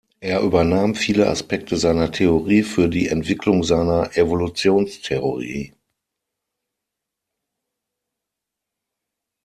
Er übernahm viele Aspekte seiner Theorie für die Entwicklung seiner Evolutionstheorie.